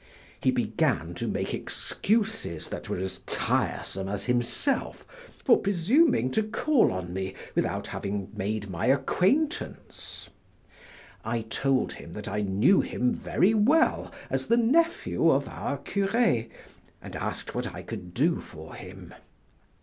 He began to make excuses that were as tiresome as himself for presuming to call on me without having made my acquaintance; I told him that I knew him very well as the nephew of our cure, and asked what I could do for him.